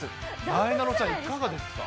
なえなのちゃん、いかがですか。